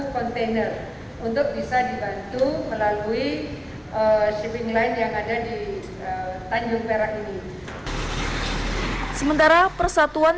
kontainer untuk bisa dibantu melalui shifting line yang ada di tanjung perak ini sementara persatuan